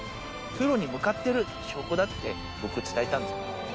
プロに向かってる証拠だって、僕、伝えたんですよ。